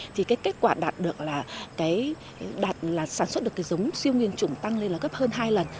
thì kết quả đạt được là sản xuất được giống siêu nguyên trùng tăng lên gấp hơn hai lần